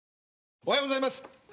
おはようございます。